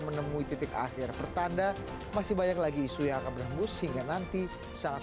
menemui titik akhir pertanda masih banyak lagi isu yang akan berhembus hingga nanti sangat